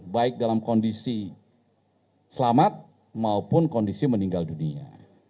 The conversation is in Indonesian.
baik dalam kondisi selamat maupun kondisi meninggal dunia